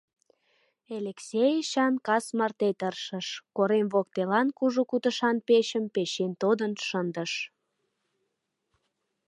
Элексей Эчан кас марте тыршыш, корем воктелан кужу кутышан печым печен тодын шындыш.